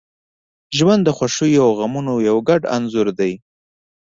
• ژوند د خوښیو او غمونو یو ګډ انځور دی.